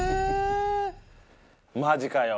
マジかよ